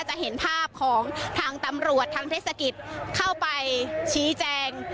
จะเห็นภาพของทางตำรวจทางเทศกิจเข้าไปชี้แจง